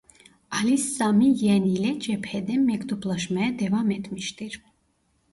Ali Sami Yen ile cepheden mektuplaşmaya devam etmiştir.